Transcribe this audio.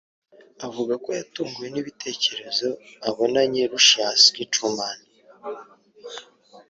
avuga ko yatunguwe n’ibitekerezo abonanye Luscious Chiturumani